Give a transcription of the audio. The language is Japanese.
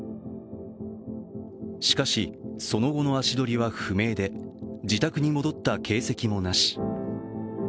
しかし、その後の足取りについては不明で自宅に戻った形跡もなし。